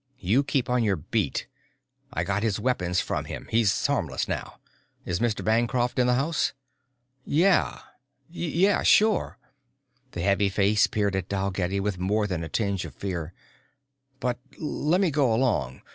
You keep on your beat. I got his weapons from him. He's harmless now. Is Mr. Bancroft in the house?" "Yeah, yeah sure." The heavy face peered at Dalgetty with more than a tinge of fear. "But lemme go along.